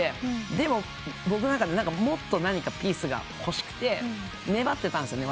でも僕の中でもっと何かピースが欲しくて粘ってたんですね。